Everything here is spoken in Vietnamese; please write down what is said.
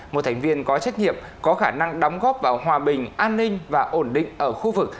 một thành viên có trách nhiệm có khả năng đóng góp vào hòa bình an ninh và ổn định ở khu vực